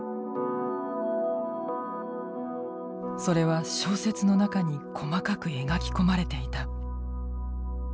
それは小説の中に細かく描き込まれていた。